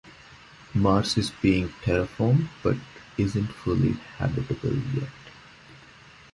Mars is being terraformed but isn't fully habitable yet.